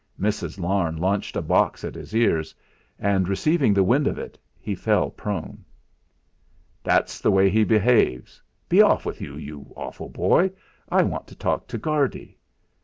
Mrs. Larne launched a box at his ears, and receiving the wind of it he fell prone. "That's the way he behaves. Be off with you, you awful boy. I want to talk to Guardy."